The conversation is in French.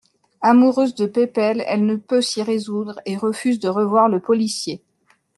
Amoureuse de Pépel, elle ne peut s'y résoudre et refuse de revoir le policier.